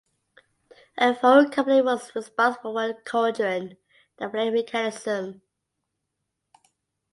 A foreign company was responsible for cauldron the flame mechanism.